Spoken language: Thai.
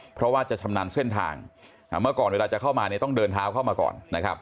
เพราะว่าจะชำนันเส้นทางเมื่อก่อนเวลาจะเข้ามาต้องเดินท้าเข้ามาก่อน